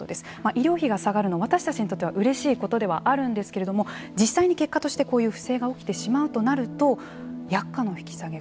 医療費が下がるのは私たちにとってはうれしいことではあるんですけれども実際に結果としてこういう不正が起きてしまうとなると薬価の引き下げ